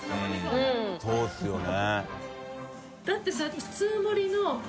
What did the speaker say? Δそうですよね。